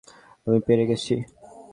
আমি পেরে গেছি!